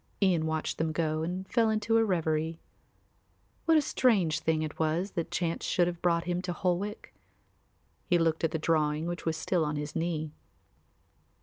Ian watched them go and then fell into a reverie. What a strange thing it was that chance should have brought him to Holwick! He looked at the drawing which was still on his knee.